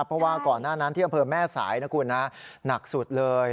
เพราะว่าก่อนหน้านั้นที่อำเภอแม่สายนะคุณนะหนักสุดเลย